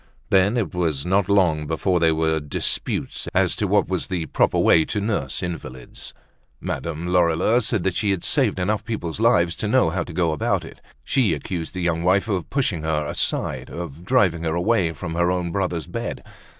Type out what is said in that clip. Then it was not long before there were disputes as to the proper way to nurse invalids. Madame Lorilleux said that she had saved enough people's lives to know how to go about it. She accused the young wife of pushing her aside, of driving her away from her own brother's bed.